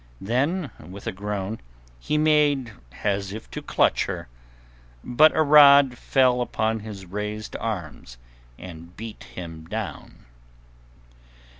Then, with a groan, he made as if to clutch her, but a rod fell upon his raised arms and beat them down.